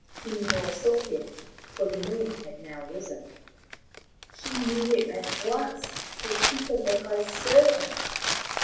Hinemoa saw him, for the moon had now risen. She knew him at once for Tutanekai* s servant.